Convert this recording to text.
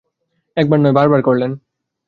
একবার নয়, বারবার করলেন।